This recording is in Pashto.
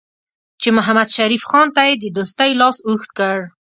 چې محمدشریف خان ته یې د دوستۍ لاس اوږد کړ.